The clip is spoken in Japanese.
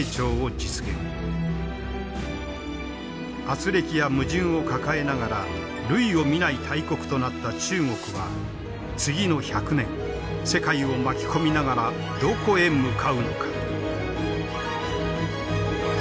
あつれきや矛盾を抱えながら類を見ない大国となった中国は次の１００年世界を巻き込みながらどこへ向かうのか。